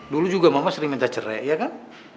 dulu juga mama sering minta cerai ya kan